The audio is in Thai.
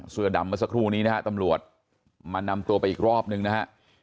เสื้อดำเมื่อสักครู่นี้นะฮะตำรวจมานำตัวไปอีกรอบนึงนะฮะ